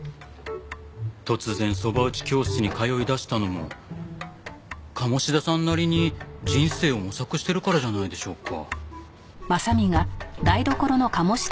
突然そば打ち教室に通い出したのも鴨志田さんなりに人生を模索してるからじゃないでしょうか？